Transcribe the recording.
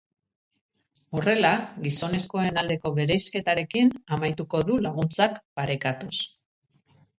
Horrela, gizonezkoen aldeko bereizketarekin amaituko du laguntzak parekatuz.